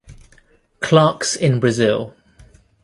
Clarke's in Brazil.